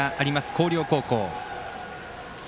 広陵高校。